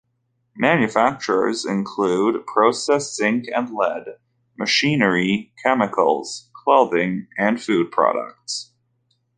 Manufactures include processed zinc and lead, machinery, chemicals, clothing, and food products.